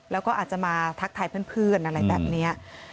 แล้วก็อาจจะมาทักทายเพื่อนอะไรแบบนี้